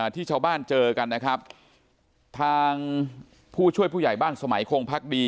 ที่ชาวบ้านเจอกันนะครับทางผู้ช่วยผู้ใหญ่บ้านสมัยคงพักดี